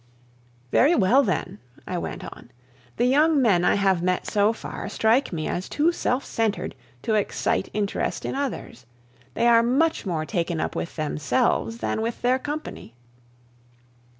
"Very well, then," I went on. "The young men I have met so far strike me as too self centered to excite interest in others; they are much more taken up with themselves than with their company.